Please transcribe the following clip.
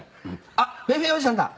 「あっフェーフェーおじさんだ。